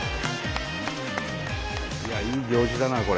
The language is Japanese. いい行事だなこれ。